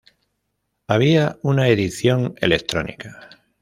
Había una edición electrónica.